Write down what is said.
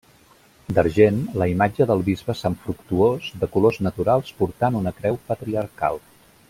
D'argent, la imatge del bisbe sant Fructuós de colors naturals portant una creu patriarcal.